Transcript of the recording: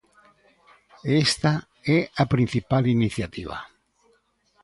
E esta é a principal iniciativa.